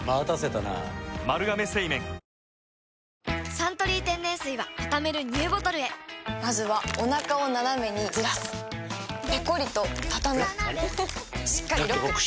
「サントリー天然水」はたためるＮＥＷボトルへまずはおなかをナナメにずらすペコリ！とたたむしっかりロック！